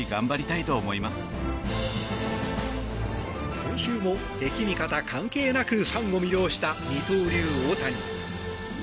今週も、敵味方関係なくファンを魅了した二刀流・大谷。